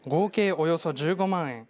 およそ１５万円。